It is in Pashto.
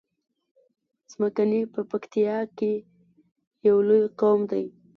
څمکني په پکتیا کی یو لوی قوم دی